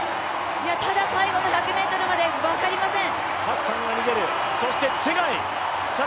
ただ、最後の１００ｍまで分かりません。